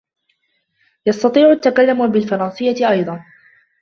يستطيع التكلم بالفرنسية أيضا.